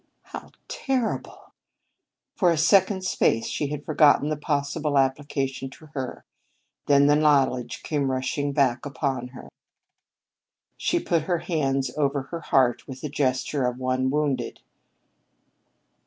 "How terrible!" For a second's space she had forgotten the possible application to her. Then the knowledge came rushing back upon her. She put her hands over her heart with the gesture of one wounded.